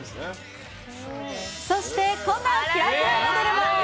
そして、こんなキラキラモデルも。